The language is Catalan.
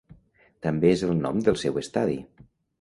També és el nom del seu estadi.